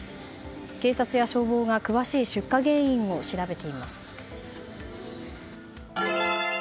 警察や消防が詳しい出火原因を調べています。